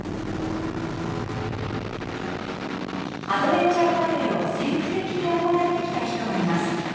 アドベンチャートラベルを先駆的に行ってきた人がいます。